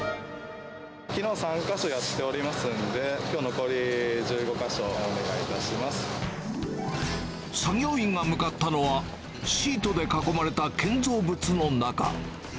きのう、３か所やっておりますんで、きょう、作業員が向かったのは、シートで囲まれた建造物の中。